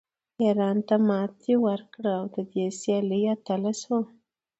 ایران ته ماتې ورکړه او د دې سیالۍ اتله شوه